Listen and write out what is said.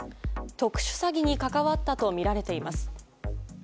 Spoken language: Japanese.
特殊詐欺に関わったとみられています。